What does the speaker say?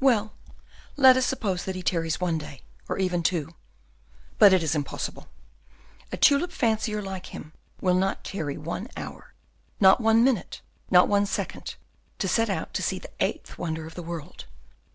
"Well, let us suppose that he tarries one day, or even two; but it is impossible. A tulip fancier like him will not tarry one hour, not one minute, not one second, to set out to see the eighth wonder of the world.